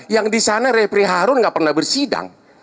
yang di sana repri harun nggak pernah bersidang